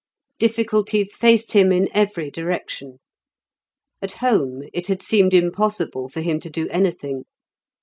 Difficulties faced him in every direction; at home it had seemed impossible for him to do anything.